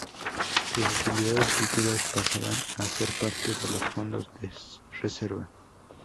Sus utilidades líquidas pasaban a ser parte de los fondos de reserva.